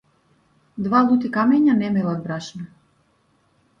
Два лути камења не мелат брашно.